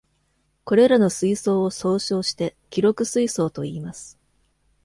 これらの水槽を総称して記録水槽といいます。